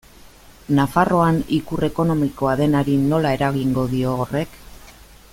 Nafarroan ikur ekonomikoa denari nola eragingo dio horrek?